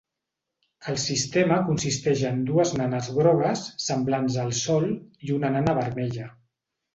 El sistema consisteix en dues nanes grogues, semblants al Sol, i una nana vermella.